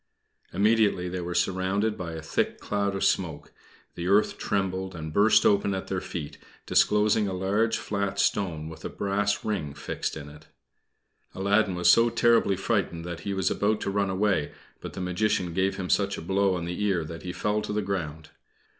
Immediately they were surrounded with a thick cloud of smoke. The earth trembled, and burst open at their feet disclosing a large flat stone with a brass ring fixed in it. Aladdin was so terribly frightened that he was about to run away; but the Magician gave him such a blow on the ear that he fell to the ground.